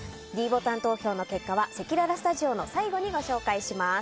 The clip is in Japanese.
ｄボタン投票の結果はせきららスタジオの最後にご紹介します。